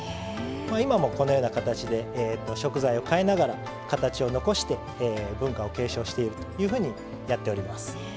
今も、このような形で食材を変えながら形を残して文化を継承しているというふうにやっております。